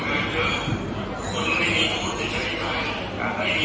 ทุกกองคือมาครก